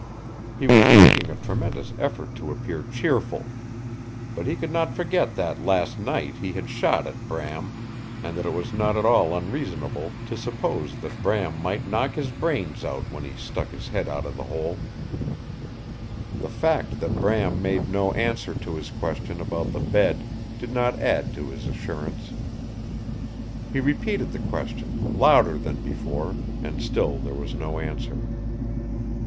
He was making a tremendous effort to appear cheerful. But he could not forget that last night he had shot at Bram, and that it was not at all unreasonable to suppose that Bram might knock his brains out when he stuck his head out of the hole. The fact that Bram made no answer to his question about the bed did not add to his assurance. He repeated the question, louder than before, and still there was no answer.